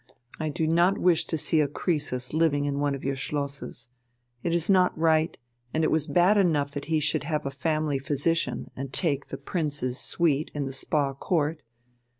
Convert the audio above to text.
I do not wish to see a Croesus living in one of your Schlosses, it is not right, and it was bad enough that he should have a family physician and take the Prince's suite in the Spa Court.